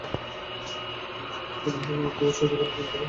খবর শুনে স্বামীসহ মৃত্যুর শ্বশুরবাড়ির লোকজন হাসপাতালে মরদেহ ফেলে পালিয়ে যান।